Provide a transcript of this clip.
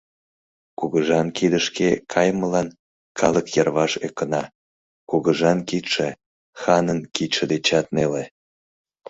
Кугыжан кидышке кайымылан калык йырваш ӧкына: кугыжан кидше ханын кидше дечат неле.